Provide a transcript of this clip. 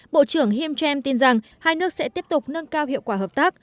bộ trưởng him tram tin rằng hai nước sẽ tiếp tục nâng cao hiệu quả hợp tác